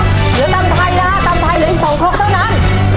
หรือตามทรายนะคะตามทรายหรืออีก๒ครบเท่านั้น